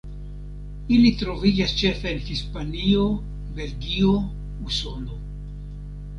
Ili troviĝas ĉefe en Hispanio, Belgio, Usono.